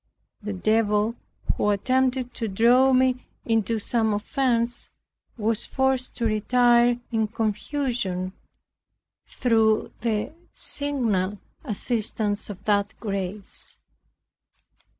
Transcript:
The devil, who attempted to draw me into some offence, was forced to retire in confusion, through the signal assistance of that grace.